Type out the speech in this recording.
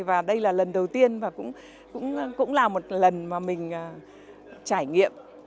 và đây là lần đầu tiên và cũng là một lần mà mình trải nghiệm